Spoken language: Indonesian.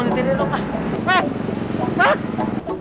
nanti deh dong